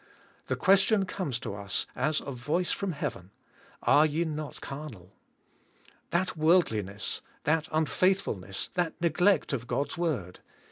The question comes to us, as a voice from heav en, "Areye not carnal?" That v/orldliness, that uch faithfulness, that neglect of God's word.